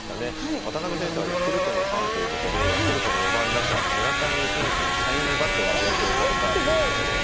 渡辺先生はヤクルトのファンということでヤクルトの４番打者村上選手のサイン入りバットが贈呈されたということで。